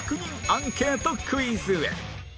アンケートクイズへ